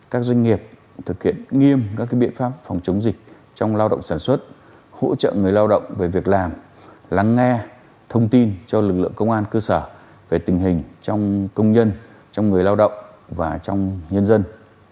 các doanh nghiệp thực hiện nghiêm các biện pháp phòng chống dịch trong lao động sản xuất hỗ trợ người lao động về việc làm lắng nghe thông tin cho lực lượng công an cơ sở về tình hình trong công nhân trong người lao động và trong nhân dân